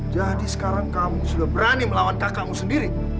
jadi sekarang kamu sudah berani melawan kakakmu sendiri